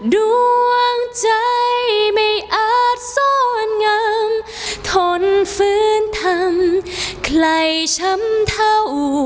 ดวงใจไม่อาจซ่อนงามทนฟื้นทำใครช้ำเท่า